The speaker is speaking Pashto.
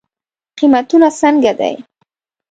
قیمتونه څنګه دی؟